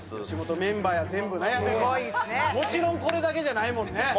吉本メンバーや全部ねもちろんこれだけじゃないもんね